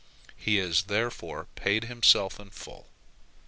He has therefore paid himself in full.